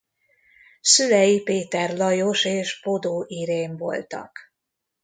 Szülei Péter Lajos és Bodó Irén voltak.